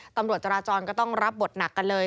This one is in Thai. ตำรวจจราจรก็ต้องรับบทหนักกันเลย